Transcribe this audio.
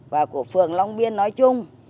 và của phường long biên nói chung